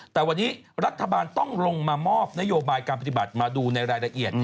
แต่วันนี้รัฐบาลต้องลงมามอบนโยบายการปฏิบัติมาดูในรายละเอียด